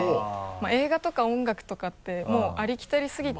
映画とか音楽とかってもうありきたりすぎて。